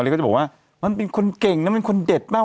แล้วก็จะบอกว่ามันเป็นคนเก่งนะเป็นคนเด็ดมาก